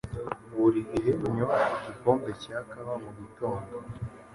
Buri gihe nywa igikombe cya kawa mugitondo